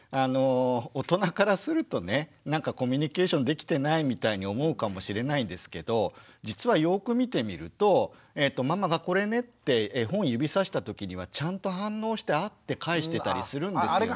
大人からするとねなんかコミュニケーションできてないみたいに思うかもしれないですけど実はよく見てみるとママがこれねって絵本指さした時にはちゃんと反応して「あ」って返してたりするんですよね。